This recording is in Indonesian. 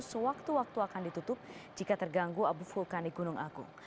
sewaktu waktu akan ditutup jika terganggu abu vulkanik gunung agung